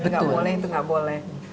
gak boleh itu gak boleh